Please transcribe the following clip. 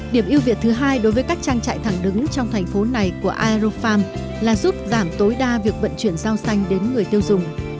điểm ưu việt thứ hai đối với các trang trại thẳng đứng trong thành phố này của aerofarm là giúp giảm tối đa việc vận chuyển rau xanh đến người tiêu dùng